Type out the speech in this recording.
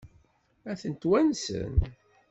Ad ten-wansen?